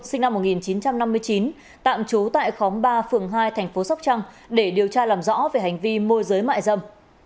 sinh năm một nghìn chín trăm năm mươi chín tạm trú tại khóm ba phường hai thành phố sóc trăng để điều tra làm rõ về hành vi môi giới mại dâm